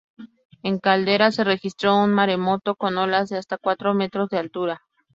En Caldera se registró un maremoto con olas de hasta cuatro metros de altura.